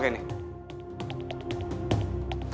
kalau ada yang mau dibawa lo pake